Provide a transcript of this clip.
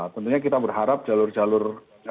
tentunya kita berharap jalur jalur